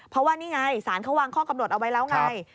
เพราะว่านี่ไงศาลเขาวางข้อกำหนดเอาไว้แล้วไง